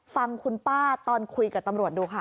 ฟังคุณป้าตอนคุยกับตำรวจดูค่ะ